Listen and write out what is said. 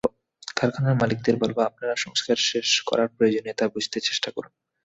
কারখানার মালিকদের বলব, আপনারা সংস্কার শেষ করার প্রয়োজনীয়তা বুঝতে চেষ্টা করুন।